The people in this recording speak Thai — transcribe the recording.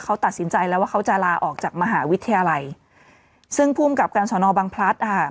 เขาตัดสินใจแล้วว่าเขาจะลาออกจากมหาวิทยาลัยซึ่งภูมิกับการสอนอบังพลัดอ่ะ